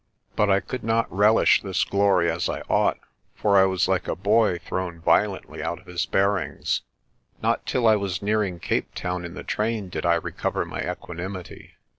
But I could not relish this glory as I ought, for I was like a boy thrown violently out of his bearings. Not till I was nearing Cape Town in the train did I re cover my equanimity.